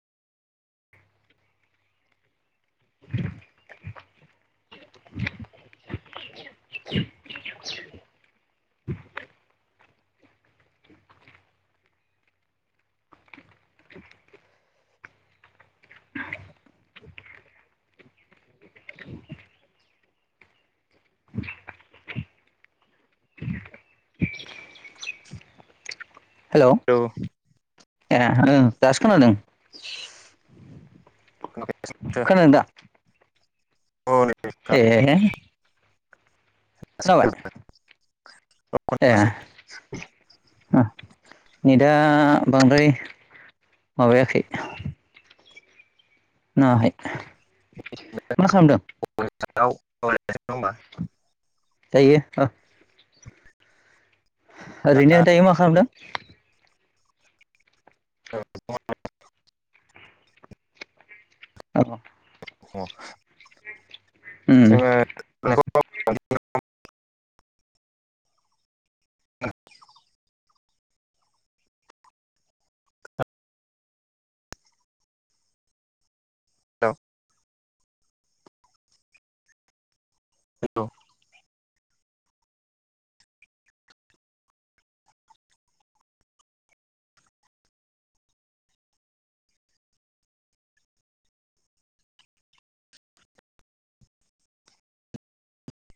[inaudible] [inaudible] हेल' hello ए ओ दासो खोनादों [inaudible] खोनादों दा औ नै ए खोनाबाय ए ओ नेटआ बांद्राय माबायाखै नाङाखै मा खालामदों [inaudible] दायो ओरैनो दायो मा खालामदों? आङो अ उम जोंङो औ हेल'